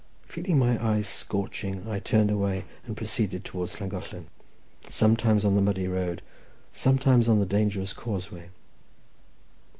Feeling my eyes scorching, I turned away, and proceeded towards Llangollen, sometimes on the muddy road, sometimes on the dangerous causeway.